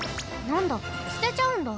なんだすてちゃうんだ。